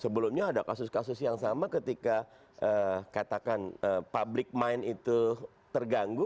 sebelumnya ada kasus kasus yang sama ketika katakan public mind itu terganggu